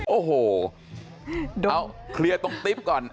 โอ้โหเอาเคลียร์ตรงติ๊บก่อน